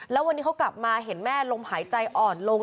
แล้ววันนี้เขากลับมาเห็นแม่ลมหายใจอ่อนลง